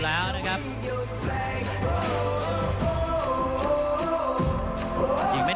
ท่านแรกครับจันทรุ่ม